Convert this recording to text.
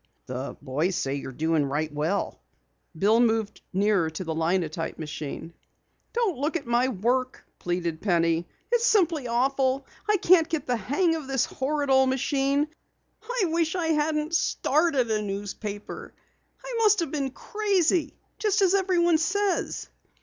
"The boys say you're doing right well." Bill moved nearer the linotype machine. "Don't look at my work," pleaded Penny. "It's simply awful. I can't get the hang of this horrid old machine. I wish I hadn't started a newspaper I must have been crazy just as everyone says."